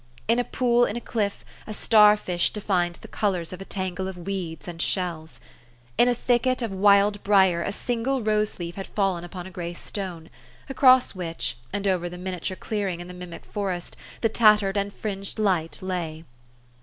In a pool in a cliff, a star fish defined the colors of a tangle of weeds and shells. In a thicket of wild briar a single rose leaf had fallen upon a gray stone, across which, and over the miniature clearing in the mimic forest, the tattered and fringed light lay.